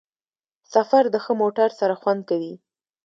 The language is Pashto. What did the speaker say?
سفر د ښه موټر سره خوند کوي.